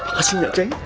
makasih ya ceng